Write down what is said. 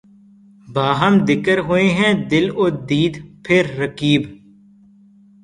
باہم دِکر ہوئے ہیں دل و دیده پهر رقیب